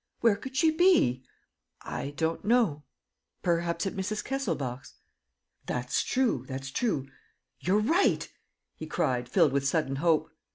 ..." "Where could she be?" "I don't know ... perhaps at Mrs. Kesselbach's." "That's true ... that's true. ... You're right," he cried, filled with sudden hope.